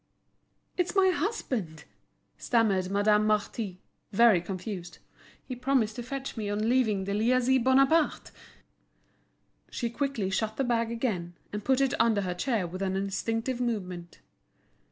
"It's my husband," stammered Madame Marty, very confused. "He promised to fetch me on leaving the Lycee Bonaparte." She quickly shut the bag again, and put it under her chair with an instinctive movement.